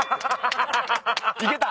いけた？